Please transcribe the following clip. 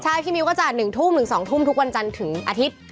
ใช่พี่มิ้วก็จะ๑ทุ่มถึง๒ทุ่มทุกวันจันทร์ถึงอาทิตย์